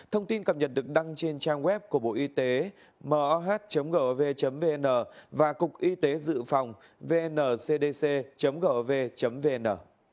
thông tin cập nhật được đăng trên trang web của bộ y tế mhgv vn và cục y tế dự phòng vncdc gov vn